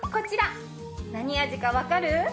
何味かわかる？